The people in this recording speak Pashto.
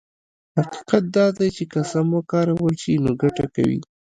حقيقت دا دی چې که سم وکارول شي نو ګټه کوي.